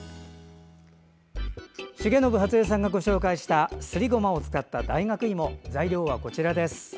重信初江さんがご紹介したすりごまを使った大学いも材料はこちらです。